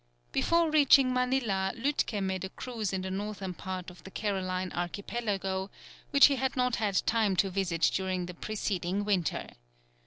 Before reaching Manilla, Lütke made a cruise in the northern part of the Caroline Archipelago, which he had not had time to visit during the preceding winter.